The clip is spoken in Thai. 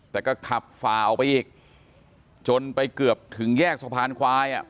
แต่ก็ขับฝ่าออกไปอีกจนไปเกือบถึงแยกสะพานควายอ่ะ